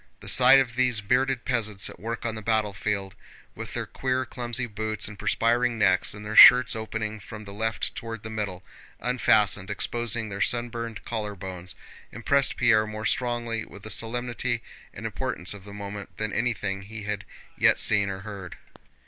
The sight of these bearded peasants at work on the battlefield, with their queer, clumsy boots and perspiring necks, and their shirts opening from the left toward the middle, unfastened, exposing their sunburned collarbones, impressed Pierre more strongly with the solemnity and importance of the moment than anything he had yet seen or heard.